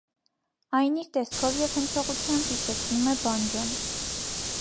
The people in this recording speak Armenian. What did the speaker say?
Այն իր տեսքով և հնչողությամբ հիշեցնում է բանջոն։